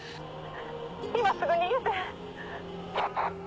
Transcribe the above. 今すぐ逃げて。